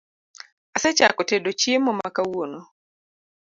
Asechako tedo chiemo ma kawuono